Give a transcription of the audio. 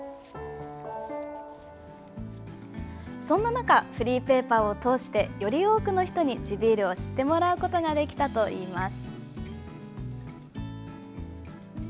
そんな中フリーペーパーを通してより多くの人に地ビールを知ってもらうことができたといいます。